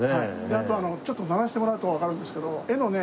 あとちょっと鳴らしてもらうとわかるんですけど絵のね